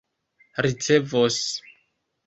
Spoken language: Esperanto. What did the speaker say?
ricevos